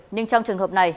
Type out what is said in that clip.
nhưng trong trường hợp này